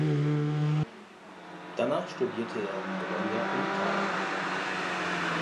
Danach studierte er in Bologna in Italien.